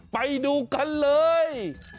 ไปดูกันเลย